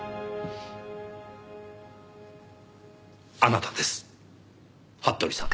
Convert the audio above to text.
あなたです服部さん。